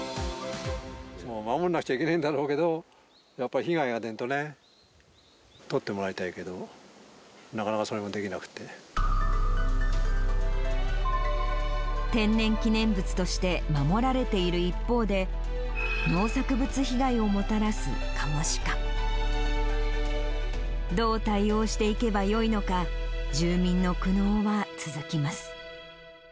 守らなくちゃいけねぇんだろうけど、やっぱり被害が出るとね、捕ってもらいたいけど、なかなか天然記念物として守られている一方で、農作物被害をもたらすカモシカ。どう対応していけばよいのか、住民の苦悩は続きます。